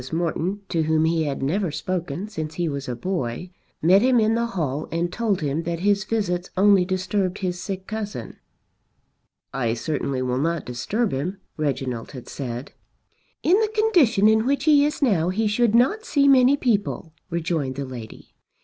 Morton to whom he had never spoken since he was a boy, met him in the hall and told him that his visits only disturbed his sick cousin. "I certainly will not disturb him," Reginald had said. "In the condition in which he is now he should not see many people," rejoined the lady.